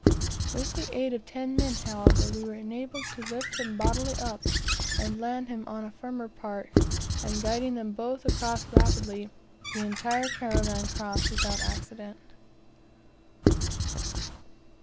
With the aid of ten men, however, we were enabled to lift him bodily up and land him on a firmer part, and guiding them both across rapidly, the entire caravan crossed without accident.